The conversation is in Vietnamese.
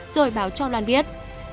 rồi báo cho loan biết